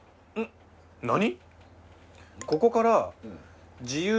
何？